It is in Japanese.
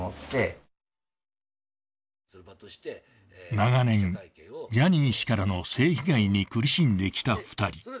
長年、ジャニー氏からの性被害に苦しんできた２人。